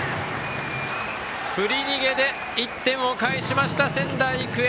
振り逃げで１点を返しました仙台育英！